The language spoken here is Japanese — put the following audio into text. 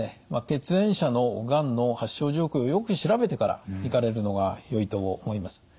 血縁者のがんの発症状況をよく調べてから行かれるのがよいと思います。